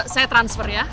saya transfer ya